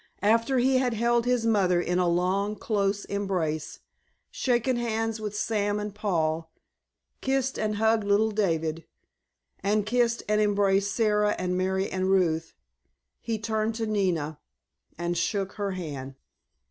After he had held his mother in a long, close embrace, shaken hands with Sam and Paul, kissed and hugged little David, and kissed and embraced Sara and Mary and Ruth, he turned to Nina, and shook her hand.